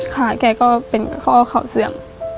แกก็เป็นข้อเข่าเสื่อม